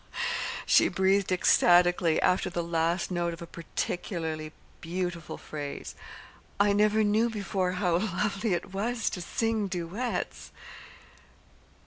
she breathed ecstatically, after the last note of a particularly beautiful phrase. "I never knew before how lovely it was to sing duets."